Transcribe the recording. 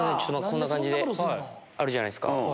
こんな感じであるじゃないですか。